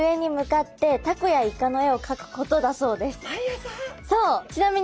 そう。